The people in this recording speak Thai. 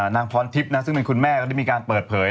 นางพรทิพย์นะซึ่งเป็นคุณแม่ก็ได้มีการเปิดเผย